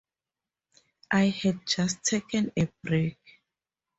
I had just taken a break.